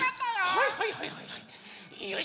はいはいはいはいはい。